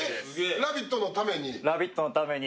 「ラヴィット！」のために？